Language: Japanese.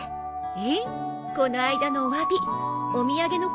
えっ！